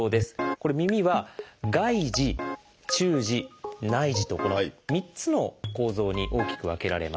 これ耳は「外耳」「中耳」「内耳」とこの３つの構造に大きく分けられます。